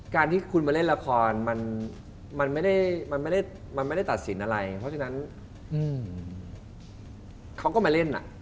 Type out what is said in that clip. การที่คุณมาเล่นละครมันไม่ได้มันไม่ได้ตัดสินอะไรเพราะฉะนั้นเขาก็มาเล่น